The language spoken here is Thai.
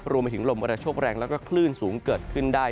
รวมไปถึงลมกระโชคแรงแล้วก็คลื่นสูงเกิดขึ้นได้